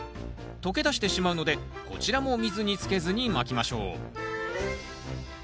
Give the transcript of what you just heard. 溶け出してしまうのでこちらも水につけずにまきましょう。